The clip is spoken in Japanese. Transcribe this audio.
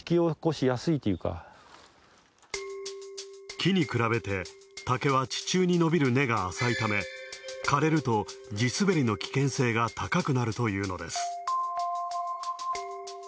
木に比べて、竹は地中に伸びる根が浅いため、枯れると地すべりの危険性が高くなるというのです。